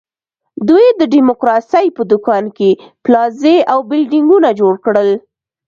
دوی د ډیموکراسۍ په دوکان کې پلازې او بلډینګونه جوړ کړل.